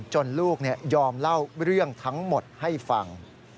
ลูกยอมเล่าเรื่องทั้งหมดให้ฟัง